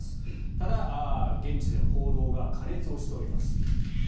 ただ、現地での報道が過熱しております。